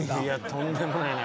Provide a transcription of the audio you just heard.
とんでもないな。